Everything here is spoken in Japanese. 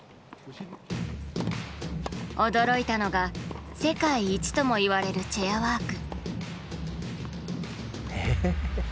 驚いたのが世界一ともいわれるチェアワーク。